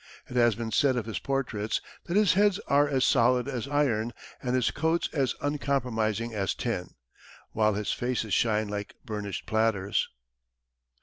It has been said of his portraits that his heads are as solid as iron and his coats as uncompromising as tin, while his faces shine like burnished platters.